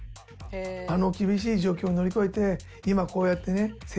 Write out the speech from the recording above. あの厳しい状況を乗り越えて今こうやってね成長したんだ。